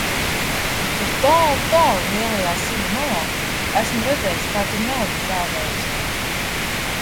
Tur tālu, tālu lielajā sila malā, esmu redzējis, kā tur nauda žāvējas.